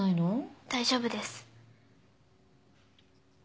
大丈夫です。